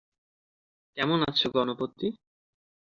কেমন আছো গণপতি?